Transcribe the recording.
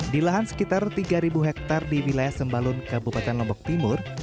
di lahan sekitar tiga hektare di wilayah sembalun kabupaten lombok timur